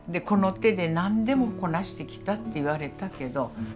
この手で何でもこなしてきたって言われたけど。